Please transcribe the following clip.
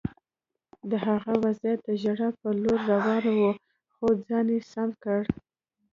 د هغه وضعیت د ژړا په لور روان و خو ځان یې سم کړ